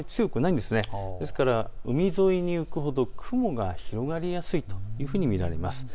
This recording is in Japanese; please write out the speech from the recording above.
ですから海沿いに行くほど雲が広がりやすいと見られます。